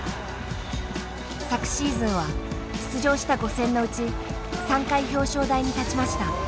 昨シーズンは出場した５戦のうち３回表彰台に立ちました。